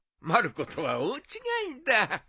まる子とは大違いだ！